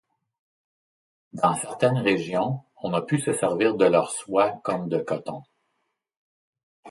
Dans certaines régions, on a pu se servir de leurs soies comme de coton.